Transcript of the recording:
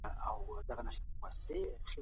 ولي دې دورې ته توري پېړۍ ویل کیږي؟